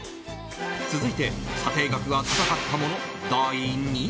続いて査定額が高かったもの